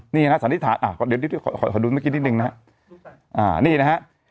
นี่นะสันนิษฐานเดี๋ยวขอดูเมื่อกี้นิดนึงนะฮะนี่นะฮะ